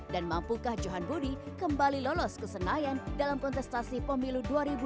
dan mampukah johan budi kembali lolos ke senayan dalam kontestasi pemilu dua ribu dua puluh empat